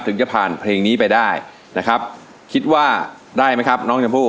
จะผ่านเพลงนี้ไปได้นะครับคิดว่าได้ไหมครับน้องชมพู่